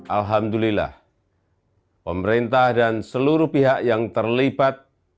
alhamdulillah pemerintah dan seluruh pihak yang terlibat